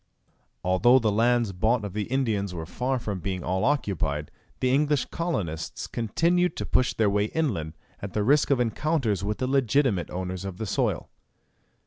Although the lands bought of the Indians were far from being all occupied, the English colonists continued to push their way inland, at the risk of encounters with the legitimate owners of the soil.